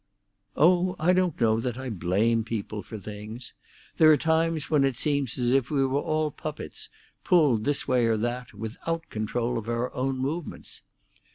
"Oh, I don't know that I blame people for things. There are times when it seems as if we were all puppets, pulled this way or that, without control of our own movements.